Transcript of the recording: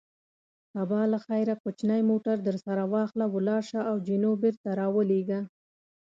سبا له خیره کوچنی موټر درسره واخله، ولاړ شه او جینو بېرته را ولېږه.